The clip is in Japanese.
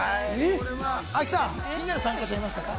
亜希さん、気になる参加者いました？